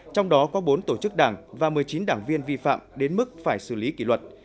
trong đó có bốn tổ chức đảng và một mươi chín đảng viên vi phạm đến mức phải xử lý kỷ luật